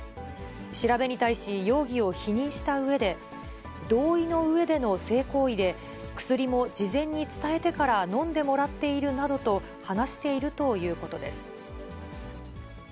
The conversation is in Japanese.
調べに対し、容疑を否認したうえで、同意の上での性行為で、薬も事前に伝えてから飲んでもらっているなどと、話しているということです。